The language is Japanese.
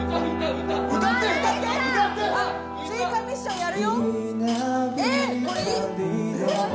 追加ミッションやるよ。